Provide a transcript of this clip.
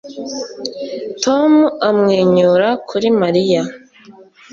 Tom amwenyura kuri Mariya